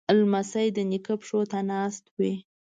لمسی د نیکه پښو ته ناست وي.